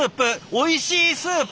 おいしいスープ！